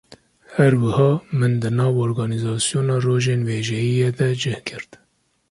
Her wiha, min di nav organîzasyona Rojên Wêjeyê de cih girt